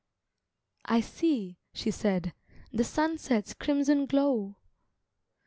"I see," she said, "the sunset's crimson glow."